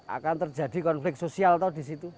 akan terjadi konflik sosial di situ